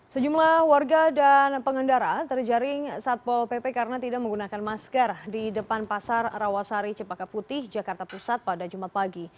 sejumlah warga dan pengendara terjaring satpol pp karena tidak menggunakan masker di depan pasar rawasari cepaka putih jakarta pusat pada jumat pagi